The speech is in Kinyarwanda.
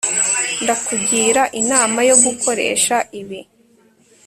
ndakugira inama yo gukoresha ibi